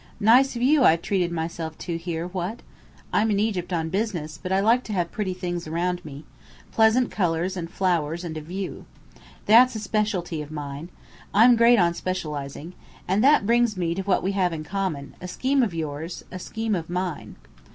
"Nice view I've treated myself to here, what? I'm in Egypt on business, but I like to have pretty things around me pleasant colours and flowers and a view. That's a specialty of mine. I'm great on specializing. And that brings me to what we have in common; a scheme of yours; a scheme of mine."